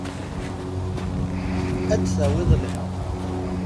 Ad d-tawiḍ lhemm.